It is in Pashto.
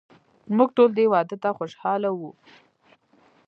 موږ ټول دې واده ته خوشحاله وو.